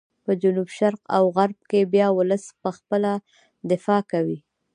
په جنوب شرق او غرب کې بیا ولس په خپله دفاع کوي.